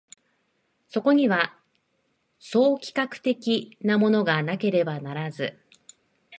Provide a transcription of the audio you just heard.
そこには総企画的なものがなければならず、